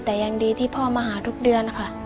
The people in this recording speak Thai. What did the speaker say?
แต่ยังดีที่พ่อมาหาทุกเดือนค่ะ